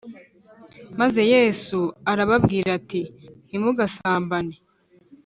Maze Yesu arababwira ati ntimugasambane